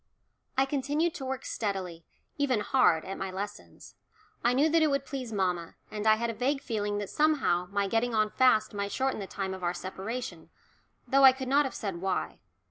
I continued to work steadily even hard at my lessons. I knew that it would please mamma, and I had a vague feeling that somehow my getting on fast might shorten the time of our separation, though I could not have said why.